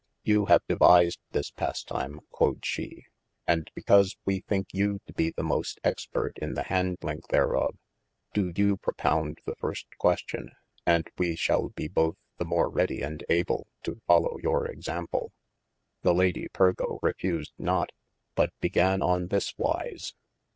You have devised this pastime (quod she) & because we thinke you to be most expert in the handling therof, do you propound the first question, & we shalbe both the more ready and able to follow your example : ye Lady Pergo refused not, but began on this wise.